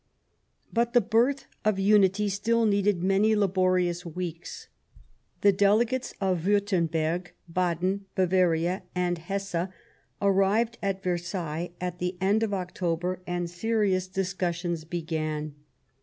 But the birth of unity still needed many laborious weeks. The Delegates of Wiirtemberg, Baden, Bavaria and Hesse arrived at Versailles at the end of October and serious discussions began.